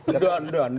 dan dan dan